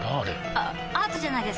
あアートじゃないですか？